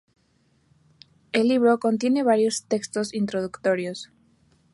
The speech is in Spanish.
El libro contiene varios textos introductorios.